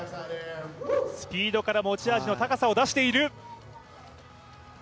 スピードから持ち味の高さを出している。